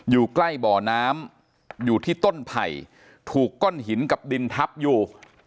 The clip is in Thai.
อยู่ใกล้บ่อน้ำอยู่ที่ต้นไผ่ถูกก้อนหินกับดินทับอยู่